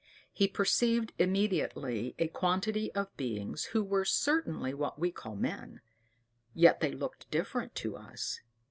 He perceived immediately a quantity of beings who were certainly what we call "men"; yet they looked different to us.